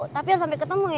tapi yang sampai ketemu ya